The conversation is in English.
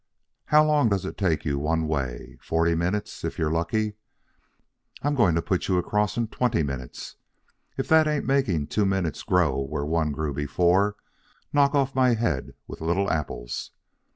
How long does it take you one way? Forty minutes, if you're lucky. I'm going to put you across in twenty minutes. If that ain't making two minutes grow where one grew before, knock off my head with little apples.